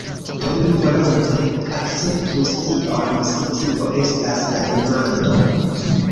Do, mi volonte akceptus tion se tio estas la demando.